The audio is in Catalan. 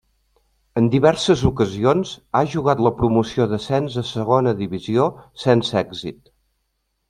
En diverses ocasions ha jugat la promoció d'ascens a Segona Divisió sense èxit.